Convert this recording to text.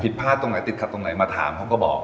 พลาดตรงไหนติดขัดตรงไหนมาถามเขาก็บอก